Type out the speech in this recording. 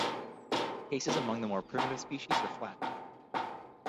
Cases among the more primitive species are flat.